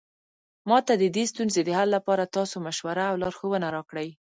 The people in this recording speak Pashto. ما ته د دې ستونزې د حل لپاره تاسو مشوره او لارښوونه راکړئ